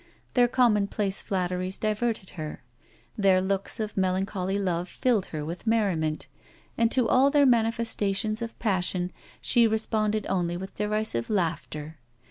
Their commonplace flatteries diverted her; their looks of melancholy love filled her with merriment; and to all their manifestations of passion she responded only with derisive laughter.